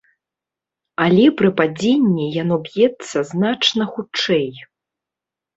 Але пры падзенні яно б'ецца значна хутчэй.